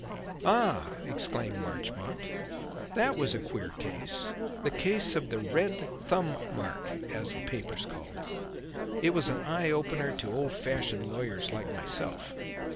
"Ah!" exclaimed Marchmont, "that was a queer case 'The Case of the Red Thumb Mark,' as the papers called it. It was an eye opener to old fashioned lawyers like myself.